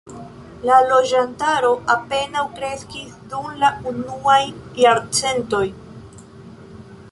La loĝantaro apenaŭ kreskis dum la unuaj jarcentoj.